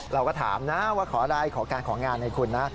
เราก็ถามนะว่าขออะไรขอการของานให้คุณนะ